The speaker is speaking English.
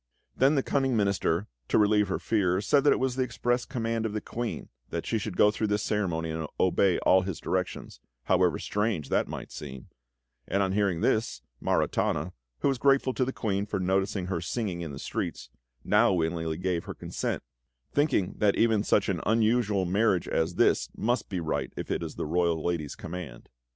Then the cunning Minister, to relieve her fears, said that it was the express command of the Queen that she should go through this ceremony and obey all his directions, however strange they might seem; and on hearing this, Maritana, who was grateful to the Queen for noticing her singing in the streets, now willingly gave her consent, thinking that even such an unusual marriage as this must be right if it was the royal lady's command.